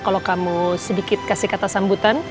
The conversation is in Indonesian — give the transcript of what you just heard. kalau kamu sedikit kasih kata sambutan